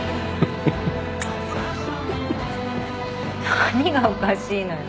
何がおかしいのよ？